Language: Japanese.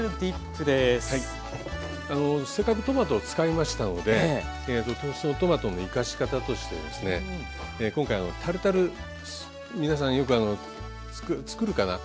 せっかくトマトを使いましたのでそのトマトの生かし方としてですね今回タルタル皆さんよく作るかな？